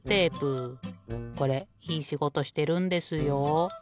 これいいしごとしてるんですよ。